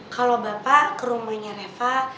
kalo bapak ke rumahnya reva